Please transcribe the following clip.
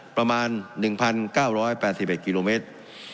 ประมาณ๑๙๘๑กิโลเมตร